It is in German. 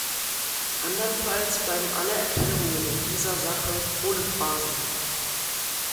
Anderenfalls bleiben alle Erklärungen in dieser Sache hohle Phrasen.